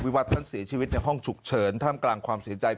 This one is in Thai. วิวัตน์ทั้ง๔ชีวิตในห้องฉุกเฉินท่ามกลางความสิใจ